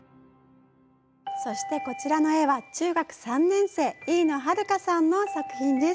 そしてこちらの絵は中学３年生飯野花香さんの作品です。